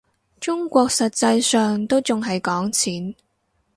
中國實際上都仲係講錢